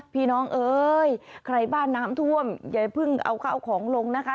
พี่น้องเอ้ยใครบ้านน้ำท่วมอย่าเพิ่งเอาข้าวของลงนะคะ